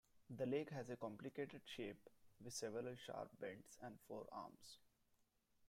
The lake has a complicated shape, with several sharp bends and four arms.